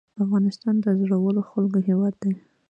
افغانستان د زړورو خلکو هیواد دی